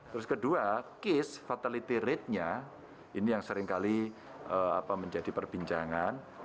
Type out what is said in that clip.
terus kedua case fatality ratenya ini yang seringkali menjadi perbincangan